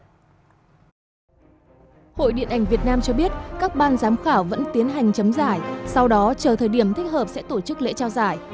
hội điện ảnh việt nam cho biết các ban giám khảo vẫn tiến hành chấm giải sau đó chờ thời điểm thích hợp sẽ tổ chức lễ trao giải